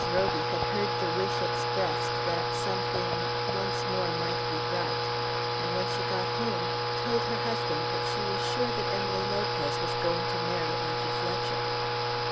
Roby had heard the wish expressed that something "once more might be bright," and when she got home told her husband that she was sure that Emily Lopez was going to marry Arthur Fletcher.